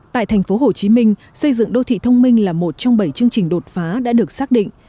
tại thành phố hồ chí minh xây dựng đô thị thông minh là một trong bảy chương trình đột phá đã được xác định